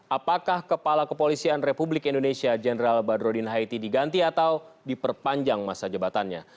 apakah kepala kepolisian republik indonesia jenderal badrodin haiti diganti atau diperpanjang masa jabatannya